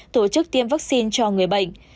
tổ chức tiêm vaccine cho người bệnh